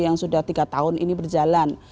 yang sudah tiga tahun ini berjalan